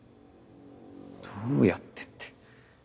どうやってって。